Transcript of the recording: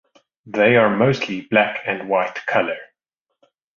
They are mostly black and white colour.